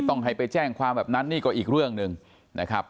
ต้องให้ไปแจ้งความแบบนั้นนี่ก็อีกเรื่องหนึ่งนะครับ